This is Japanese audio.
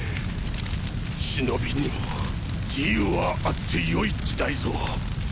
忍にも自由はあってよい時代ぞ福ロクジュ。